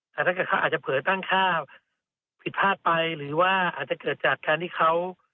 แต่ถ้าเกิดเขาอาจจะเผยตั้งค่าผิดพลาดไปหรือว่าอาจจะเกิดจากการที่เขา